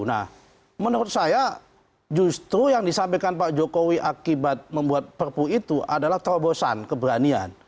nah menurut saya justru yang disampaikan pak jokowi akibat membuat perpu itu adalah terobosan keberanian